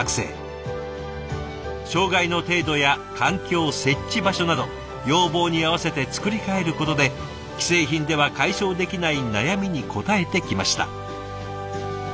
障害の程度や環境設置場所など要望に合わせて作り替えることで既製品では解消できない悩みに応えてきました。